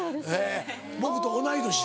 僕と同い年。